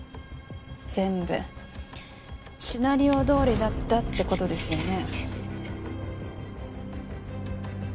全部シナリオどおりだったってことですよね